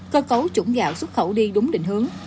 cơ cấu chủng gạo xuất khẩu đi đúng định hướng